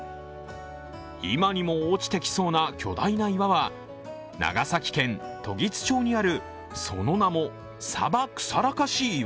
今にも落ちてきそうな巨大な岩は長崎県時津町にあるその名も鯖くさらかし岩。